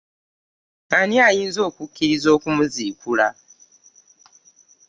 Ani ayinza okukkiriza okumuziikula?